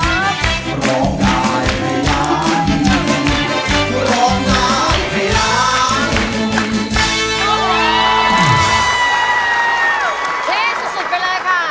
ที่สุดไปเลยค่ะ